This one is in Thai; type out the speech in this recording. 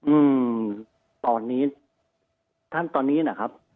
อืมตอนนี้ท่านตอนนี้นะครับ